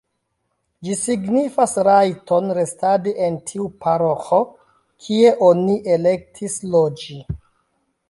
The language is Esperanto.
Ĝi signifas rajton restadi en tiu paroĥo, kie oni elektis loĝi.